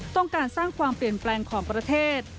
ต้องการสร้างความเปลี่ยนแปลงของประเทศ